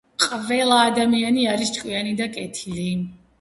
ყველა ადამიანი არის ჭკვიანი და კეთილი